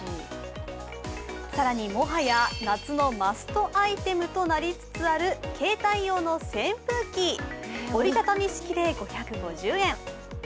更にもはや夏のマストアイテムとなりつつある携帯用の扇風機、折り畳み式で５５０円。